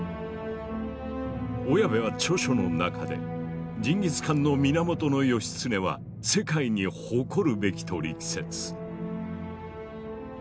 小谷部は著書の中で「ジンギス・カンの源義経は世界に誇るべき」と力説。